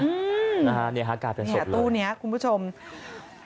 นี่ฮะกลายเป็นศพเลยคุณผู้ชมหยัดตู้นี้ครับ